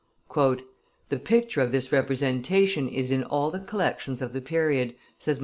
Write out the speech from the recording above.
"The picture of this representation is in all the collections of the period," says M.